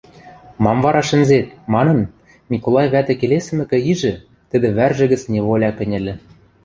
Мам вара шӹнзет? – манын, Миколай вӓтӹ келесӹмӹкӹ ижӹ, тӹдӹ вӓржӹ гӹц неволя кӹньӹльӹ.